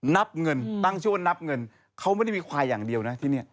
นับเงินตั้งชื่อว่านับเงินเขาไม่ได้มีควายอย่างเดียวนะที่นี่